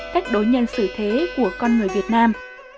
cách đối nhân xử thế của con người việt nam